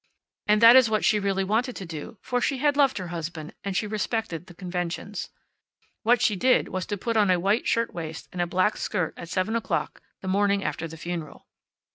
And that is what she really wanted to do, for she had loved her husband, and she respected the conventions. What she did was to put on a white shirtwaist and a black skirt at seven o'clock the morning after the funeral.